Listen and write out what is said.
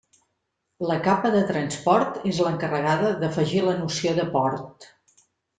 La capa de transport és l'encarregada d'afegir la noció de port.